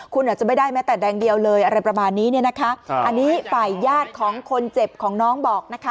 คุณอาจจะไม่ได้แม้แต่แดงเดียวเลยอะไรประมาณนี้เนี่ยนะคะอันนี้ฝ่ายญาติของคนเจ็บของน้องบอกนะคะ